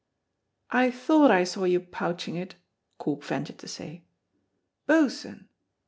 "I thought I saw you pouching it," Corp ventured to say. "Boatswain!"